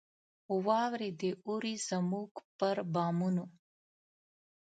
واوري دي اوري زموږ پر بامونو